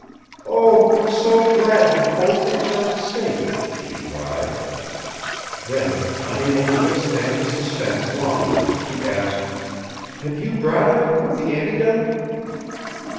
"Oh, I'm so glad you've both returned safe," she cried. Then, unable to withstand the suspense longer, she asked, "Have you brought it the antidote?"